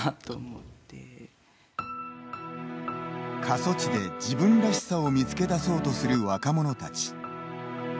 過疎地で自分らしさを見つけ出そうとする若者たち。